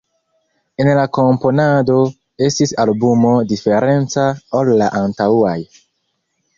En la komponado estis albumo diferenca ol la antaŭaj.